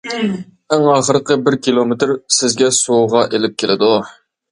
« ئەڭ ئاخىرقى بىر كىلومېتىر» سىزگە سوۋغا ئېلىپ كېلىدۇ.